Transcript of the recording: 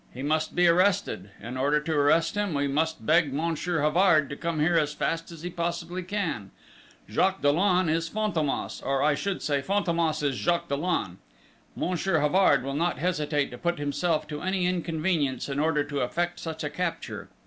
He must be arrested. In order to arrest him, we must beg Monsieur Havard to come here as fast as he possibly can! Jacques Dollon is Fantômas, or I should say, Fantômas is Jacques Dollon. Monsieur Havard will not hesitate to put himself to any inconvenience in order to effect such a capture!